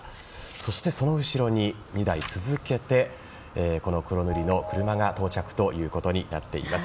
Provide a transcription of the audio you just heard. そしてその後ろに２台続けて黒塗りの車が到着ということになっています。